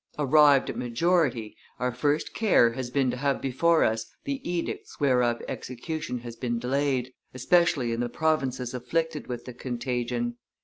Arrived at majority, our first care has been to have before us the edicts whereof execution has been delayed, especially in the provinces afflicted with the contagion.